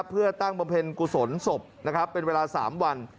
เพื่อตั้งบำเพ็ญกุศลศพนะครับเป็นเวลา๓วัน